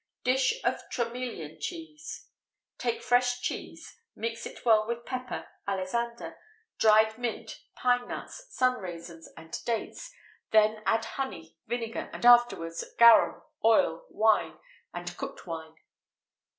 [XVIII 61] Dish of Tromelian Cheese. Take fresh cheese; mix it well with pepper, alisander, dried mint, pine nuts, sun raisins, and dates; then add honey, vinegar, and afterwards, garum, oil, wine, and cooked wine.